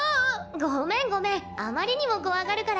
ごめんごめんあまりにも怖がるから。